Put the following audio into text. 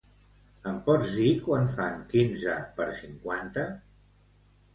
Em pots dir quant fan quinze per cinquanta?